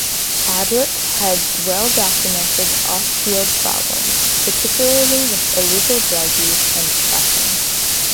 Ablett had well-documented off-field problems, particularly with illegal drug use and depression.